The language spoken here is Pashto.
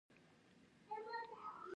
مصنوعي ځیرکتیا د محتوا کیفیت اغېزمنوي.